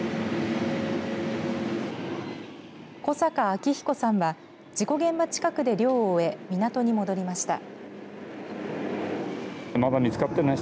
古坂彰彦さんは事故現場近くで漁を終え港に戻りました。